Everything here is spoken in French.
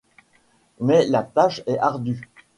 Mais la tâche est ardue.